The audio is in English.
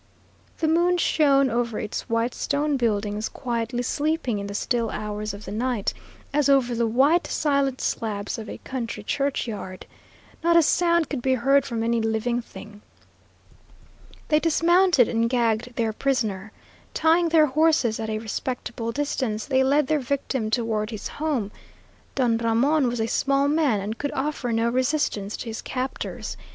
The moon shone over its white stone buildings, quietly sleeping in the still hours of the night, as over the white, silent slabs of a country churchyard. Not a sound could be heard from any living thing. They dismounted and gagged their prisoner. Tying their horses at a respectable distance, they led their victim toward his home. Don Ramon was a small man, and could offer no resistance to his captors.